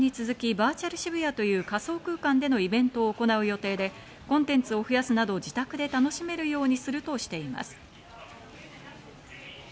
渋谷区は昨年に続き、バーチャル渋谷という仮想空間でのイベントを行う予定で、コンテンツを増やすなど自宅でハロウィーンを楽しめるようにしていくとしています。